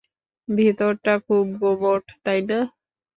ভিতরটা খুব গুমোট, তাই না?